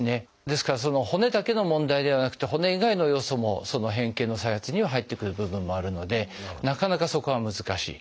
ですから骨だけの問題ではなくて骨以外の要素も変形の再発には入ってくる部分もあるのでなかなかそこは難しい。